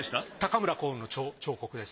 村光雲の彫刻です。